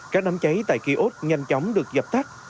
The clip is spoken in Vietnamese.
các đám cháy tại kia út nhanh chóng được dập tác